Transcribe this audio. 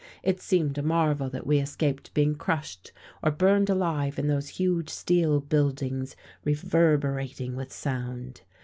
It seemed a marvel that we escaped being crushed or burned alive in those huge steel buildings reverberating with sound.